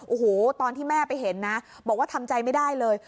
โอ้โหตอนที่แม่ไปเห็นนะบอกว่าทำใจไม่ได้เลย